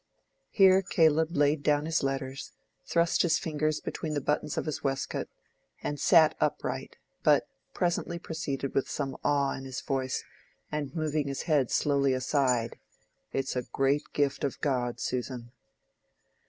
Here Caleb laid down his letters, thrust his fingers between the buttons of his waistcoat, and sat upright, but presently proceeded with some awe in his voice and moving his head slowly aside—"It's a great gift of God, Susan."